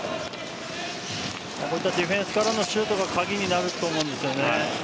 ディフェンスからのシュートが鍵になると思います。